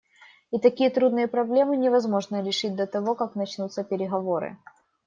И такие трудные проблемы невозможно решить до того, как начнутся переговоры.